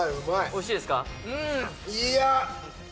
おいしいですか？